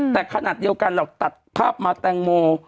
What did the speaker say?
แต่ขณะเดียวกันเราตัดภาพใหม่แต่งโม